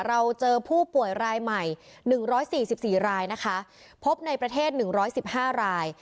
เราเจอผู้ป่วยรายใหม่๑๔๔รายนะคะพบในประเทศ๑๑๕ราย